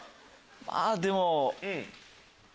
まぁでも。